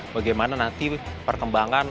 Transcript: bagaimana nanti perkembangan